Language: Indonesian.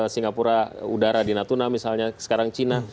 singapura udara di natuna misalnya sekarang cina